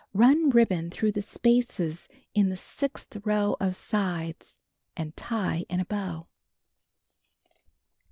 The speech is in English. Run ribbon through the spaces in the sixth row of sides, and tie in a bow.